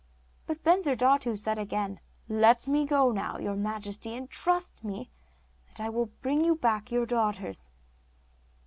But Bensurdatu said again: 'Let me now go, your majesty; trust me, and I will bring you back your daughters.